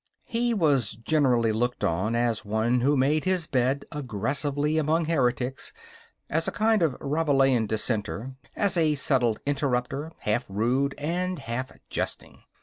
He was generally looked on as one who made his bed aggressively among heretics, as a kind of Rabelaisian dissenter, as a settled interrupter, half rude and half jesting.